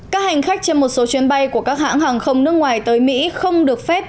các hành khách trên một số chuyến bay của các hãng hàng không nước ngoài tới mỹ không được phép